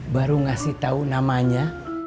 baru ngasih tau namanya